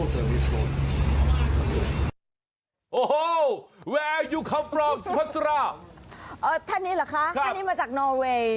โอ้โหท่านนี้เหรอคะท่านนี้มาจากนอเวย์